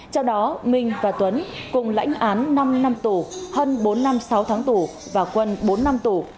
trong đó minh và tuấn cùng lãnh án năm năm tủ hân bốn năm sáu tháng tủ và quân bốn năm tủ